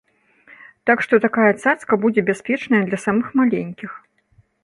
Так што такая цацка будзе бяспечная для самых маленькіх.